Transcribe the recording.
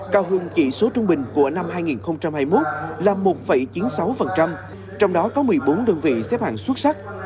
cao hơn chỉ số trung bình của năm hai nghìn hai mươi một là một chín mươi sáu trong đó có một mươi bốn đơn vị xếp hàng xuất sắc